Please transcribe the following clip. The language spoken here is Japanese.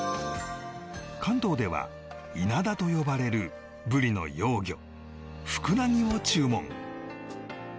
関東ではイナダと呼ばれるブリの幼魚フクラギを注文